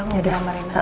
aku mau beramah reina